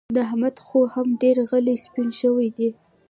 د احمد خو هم ډېر خلي سپين شوي دي.